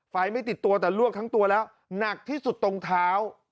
ไม่ติดตัวแต่ลวกทั้งตัวแล้วหนักที่สุดตรงเท้า